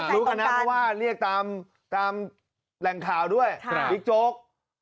รู้กันนะเพราะว่าเรียกตามแหล่งข่าวด้วยบิ๊กโจ๊ก